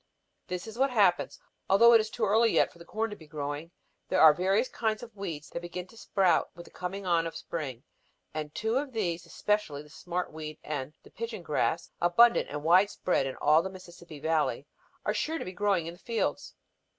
"This is what happens. Although it is too early yet for the corn to be growing, there are various kinds of weeds that begin to sprout with the coming on of spring, and two of these, especially, the smart weed and the pigeon grass, abundant and wide spread in all the Mississippi Valley, are sure to be growing in the fields.